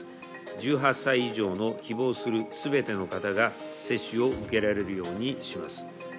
１８歳以上の希望するすべての方が、接種を受けられるようにしま